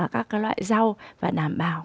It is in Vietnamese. các loại rau và đảm bảo